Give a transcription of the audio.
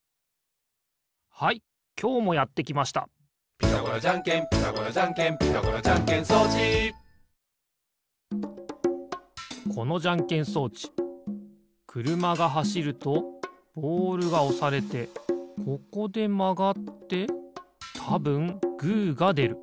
「ピタゴラじゃんけんピタゴラじゃんけん」「ピタゴラじゃんけん装置」このじゃんけん装置くるまがはしるとボールがおされてここでまがってたぶんグーがでる。